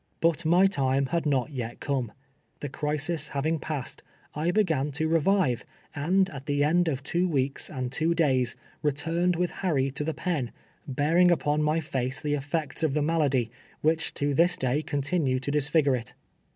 But my time had not yet come. The crisis having passed, I began to revive, and at the end of two weeks and two days, returned with Harry to the pen, bearing npon my fiice the effects of the malady, which to this day con tinues to disfigm'e it.